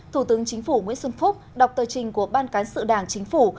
thủ tướng chính phủ nguyễn xuân phúc đọc tờ trình của ban cán sự đảng chính phủ